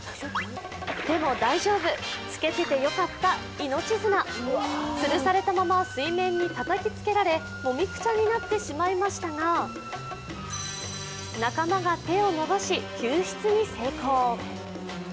でも大丈夫、つけててよかった命綱つるされたまま、水面にたたきつけられ、もみくちゃになってしまいましたが仲間が手を伸ばし、救出に成功。